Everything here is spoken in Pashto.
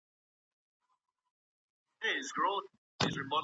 د کمپیوټر ساینس پوهنځۍ سمدستي نه لغوه کیږي.